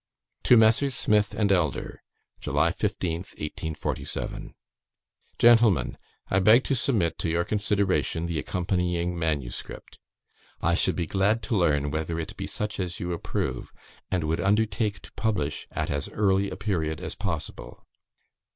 To MESSRS. SMITH AND ELDER. "July 15th, 1847. "Gentlemen I beg to submit to your consideration the accompanying manuscript. I should be glad to learn whether it be such as you approve, and would undertake to publish at as early a period as possible.